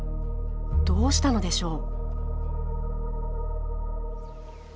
どうしたのでしょう？